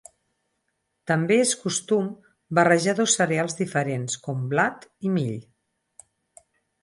També és costum barrejar dos cereals diferents, com blat i mill.